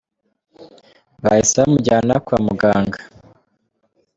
Bahise bamujyana kwa muganga.